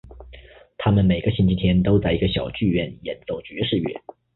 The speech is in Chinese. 他们每个星期天在一个小剧院演奏爵士乐。